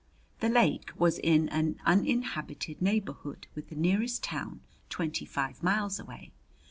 The lake was in an uninhabited neighborhood, with the nearest town twenty five miles away.